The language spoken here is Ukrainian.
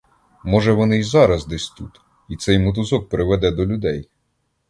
Може, вони й зараз десь тут, і цей мотузок приведе до людей.